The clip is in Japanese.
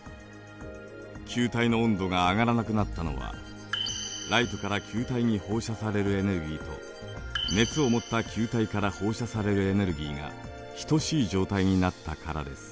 球体の温度が上がらなくなったのはライトから球体に放射されるエネルギーと熱を持った球体から放射されるエネルギーが等しい状態になったからです。